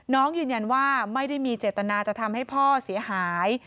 น้องยืนยันว่าไม่ได้มีเจตนาจะทำให้พ่อเสียหาย